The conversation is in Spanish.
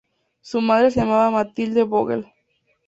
Su madre se llamaba Mathilde Vogel.